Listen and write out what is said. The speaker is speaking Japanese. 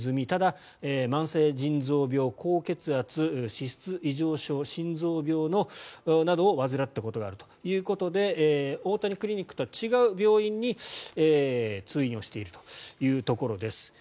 ただ、慢性腎臓病、高血圧脂質異常症、心臓病などを患ったことがあるということで大谷クリニックとは違う病院に通院をしているところです。